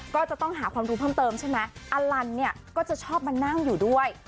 ก็จะต้องหาความรู้เพิ่มเติมใช่ไหมอลันเนี่ยก็จะชอบมานั่งอยู่ด้วย